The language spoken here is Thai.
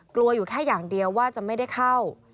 กลัวอยู่แค่อย่างเดียวว่าจะไม่ได้เข้า